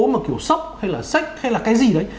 mà kiểu sóc hay là sách hay là cái gì đấy